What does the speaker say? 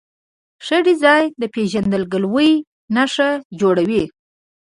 ښه ډیزاین د پېژندګلوۍ نښه جوړوي.